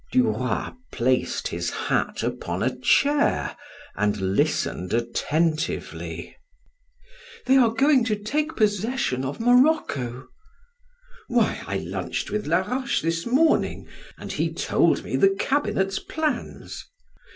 Du Roy placed his hat upon a chair and listened attentively. "They are going to take possession of Morocco!" "Why, I lunched with Laroche this morning, and he told me the cabinet's plans!"